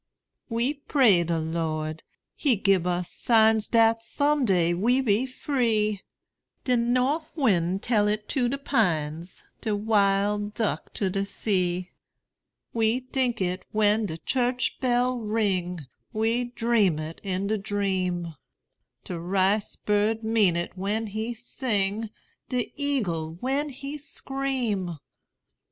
We pray de Lord: he gib us signs Dat some day we be free; De Norf wind tell it to de pines, De wild duck to de sea; We tink it when de church bell ring, We dream it in de dream; De rice bird mean it when he sing, De eagle when he scream.